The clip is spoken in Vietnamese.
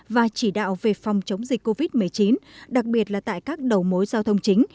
và chỉ đạo về phòng chống dịch covid một mươi chín đặc biệt là tại các đầu mối giao thông chính